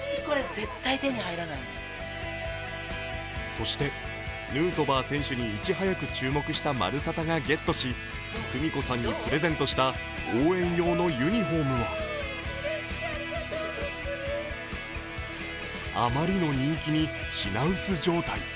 そして、ヌートバー選手にいち早く注目した「まるサタ」がゲットし久美子さんにプレゼントした王遠洋のユニフォームはあまりの人気に品薄状態。